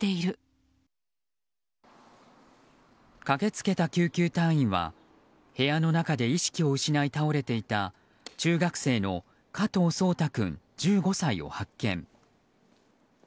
駆けつけた救急隊員は部屋の中で意識を失い倒れていた、中学生の加藤颯太君、１５歳を発見。